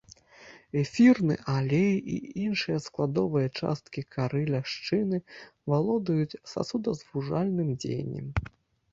Эфірны алей і іншыя складовыя часткі кары ляшчыны валодаюць сасудазвужальным дзеяннем.